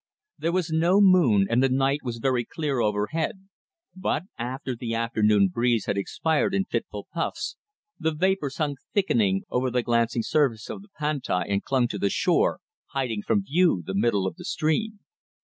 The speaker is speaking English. There was no moon and the night was very clear overhead, but, after the afternoon breeze had expired in fitful puffs, the vapours hung thickening over the glancing surface of the Pantai and clung to the shore, hiding from view the middle of the stream.